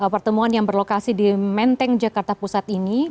pertemuan yang berlokasi di menteng jakarta pusat ini